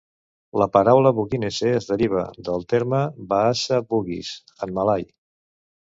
La paraula Buginese es deriva del terme "Bahasa Bugis" en malai.